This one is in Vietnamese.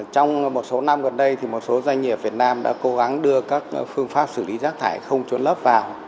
trong một số năm gần đây một số doanh nghiệp việt nam đã cố gắng đưa các phương pháp xử lý rác thải không trôn lấp vào